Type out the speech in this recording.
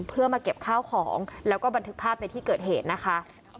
เพื่อมาเก็บข้าวของแล้วก็บันทึกภาพในที่เกิดเหตุนะคะ